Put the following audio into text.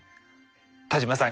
田島さん